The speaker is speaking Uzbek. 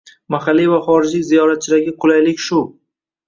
Mahalliy va xorijlik ziyoratchilarga qulaylik shu.